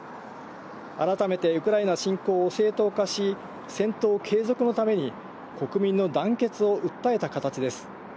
改めてウクライナ侵攻を正当化し、戦闘継続のために、国民の団結を訴えた形です。